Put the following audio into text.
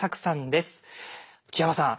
木山さん。